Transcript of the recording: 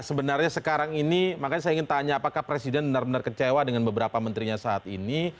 sebenarnya sekarang ini makanya saya ingin tanya apakah presiden benar benar kecewa dengan beberapa menterinya saat ini